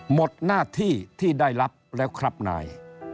หมดหน้าที่ที่ได้รับแล้วครับนาย